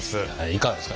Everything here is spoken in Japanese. いかがですか？